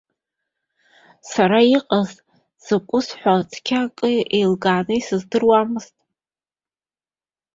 Сара иҟаз закәыз ҳәа цқьа акы еилкааны исыздыруамызт.